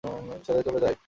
ছেড়ে চলে যায়।